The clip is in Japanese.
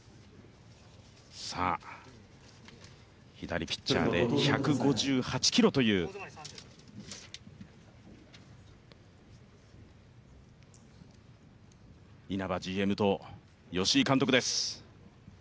さあ、左ピッチャーで１５８キロという、稲葉ＧＭと吉井監督です。